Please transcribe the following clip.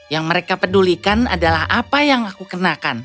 yang mereka pedulikan adalah apa yang aku kenakan